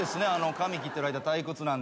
髪切ってる間退屈なんで。